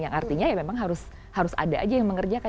yang artinya ya memang harus ada aja yang mengerjakan